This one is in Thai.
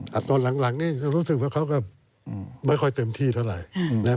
ตอนหลังนี่ก็รู้สึกว่าเขาก็ไม่ค่อยเต็มที่เท่าไหร่นะครับ